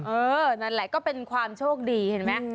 เออนั่นแหละก็เป็นความโชคดีเห็นไหม